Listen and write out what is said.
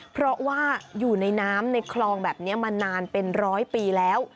เพราะว่าอยู่ในน้ำในคลองแบบนี้มานานเป็นร้อยปีแล้ว